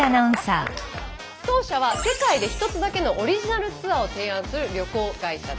当社は世界でひとつだけのオリジナルツアーを提案する旅行会社です。